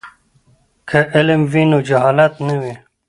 که علم وي نو جهالت نه وي.